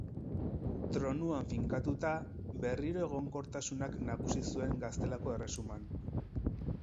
Tronuan finkatuta, berriro egonkortasunak nagusi zuen Gaztelako Erresuman.